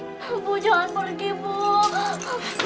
ibu jangan pergi ibu